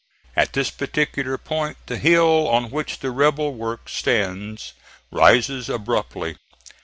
At this particular point the hill on which the rebel work stands rises abruptly.